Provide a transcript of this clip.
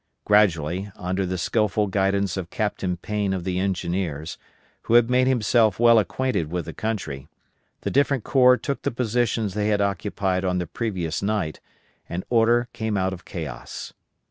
Gradually, under the skilful guidance of Captain Payne of the Engineers, who had made himself well acquainted with the country, the different corps took the positions they had occupied on the previous night, and order came out of chaos.